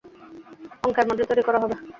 অঙ্কের মডেল তৈরি করা হবে।